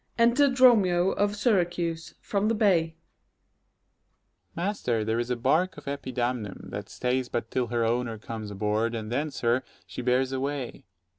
Enter DROMIO of Syracuse, from the bay. Dro. S. Master, there is a bark of Epidamnum 85 That stays but till her owner comes aboard, And then, sir, she bears away.